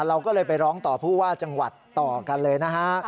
เราก็เลยไปร้องต่อผู้ว่าจังหวัดต่อกันเลยนะฮะ